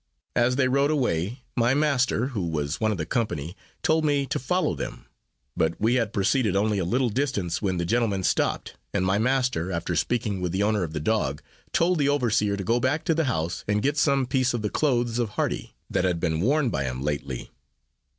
As they rode away, my master, who was one of the company, told me to follow them; but we had proceeded only a little distance, when the gentlemen stopped, and my master, after speaking with the owner of the dog, told the overseer to go back to the house, and get some piece of the clothes of Hardy, that had been worn by him lately.